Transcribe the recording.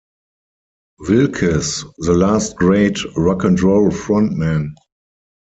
Wilkes the last great Rock and Roll frontman.